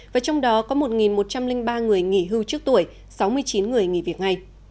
và trong đó có một một trăm linh ba người nghỉ hưu trước tuổi sáu mươi chín người nghỉ việc ngay